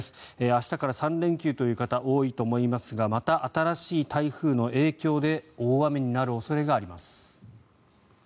明日から３連休という方多いと思いますがまた新しい台風の影響で大雨になる恐れがあります。